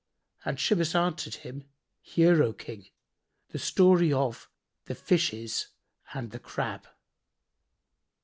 and Shimas answered him, "Hear, O King the story of The Fishes and the Crab.